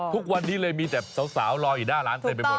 ทุกวันนี้เลยมีแต่สาวรออยู่หน้าร้านเต็มไปหมด